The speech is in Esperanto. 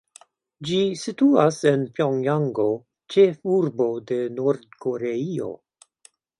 Ĝi situas en Pjongjango, ĉefurbo de Nord-Koreio.